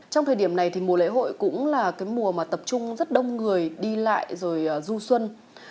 trong thời điểm này thì mùa lễ hội cũng là cái mùa mà tập trung rất đông người đi lại rồi du xuân